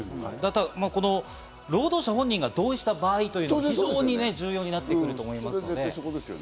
ただ労働者本人が同意した場合というところが重要になってくると思います。